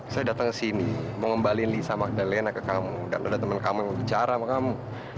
saya datang kesini mau ngembalikan lisa magdalena ke kamu dan ada teman kamu yang bicara sama kamu